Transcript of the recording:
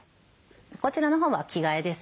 こちらのほうは着替えですね。